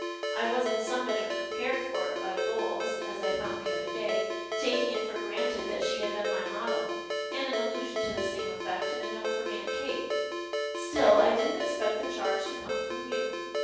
I was in some measure prepared for it l)y Lowell's (as I found the other day) taking it for granted that she had been my model, and an allusion to the same effect in a note 259 s 2 PASTICHE AND PREJUDICE from aunt Kate. Still, I didn't expect the charge to come from you.